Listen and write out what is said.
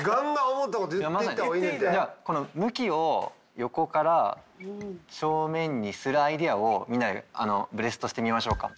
この向きを横から正面にするアイデアをみんなでブレストしてみましょうか。